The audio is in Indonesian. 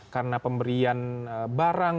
karena pemberian barang